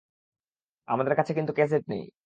আমাদের কাছে কিন্তু ক্যাসেট নেই।